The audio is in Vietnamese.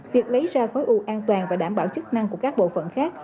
việc lấy ra khối u an toàn và đảm bảo chức năng của các bộ phận khác